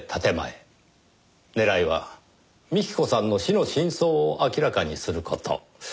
狙いは幹子さんの死の真相を明らかにする事。